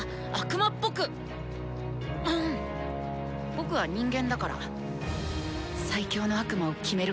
僕は人間だから最強の悪魔を決める